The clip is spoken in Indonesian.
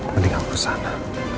mending aku ke sana